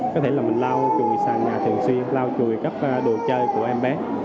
có thể là mình lau chùi sàn nhà thường xuyên lau chùi các đồ chơi của em bé